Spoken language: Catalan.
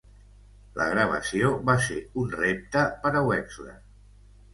La gravació va ser un repte per a Wexler.